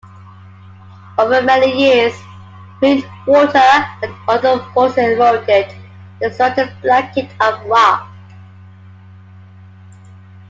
Over many years, wind, water and other forces eroded the surrounding blanket of rock.